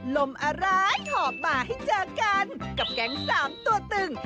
ลมอะไรหอบมาให้เจอกันกับแก๊งสามตัวตึง